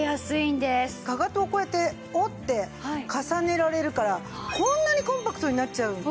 かかとをこうやって折って重ねられるからこんなにコンパクトになっちゃう。